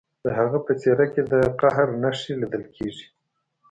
د هغه په څیره کې د قهر نښې لیدل کیدې